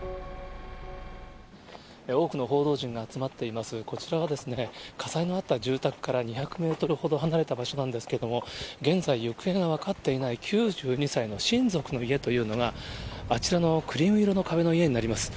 多くの報道陣が集まっています、こちらは火災のあった住宅から２００メートルほど離れた場所なんですけれども、現在行方が分かっていない９２歳の親族の家というのが、あちらのクリーム色の壁の家になります。